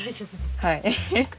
はい。